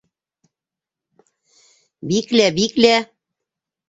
Биклә, биклә!